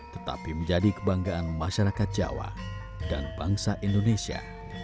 tetapi menjadi kebanggaan masyarakat jawa dan bangsa indonesia